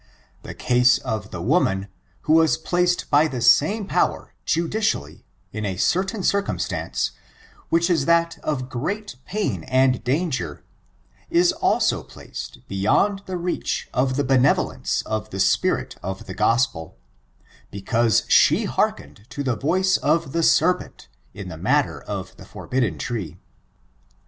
The case of the woman, who was placed by the sams power, judidaUy^ in a certain circumstance, which is that of great pain and danger, is also placed beyond the reach of the benevolence of the spirit of the Gospel, because she hearkened to the voice of the serpent, in the matter of the forbidden tree.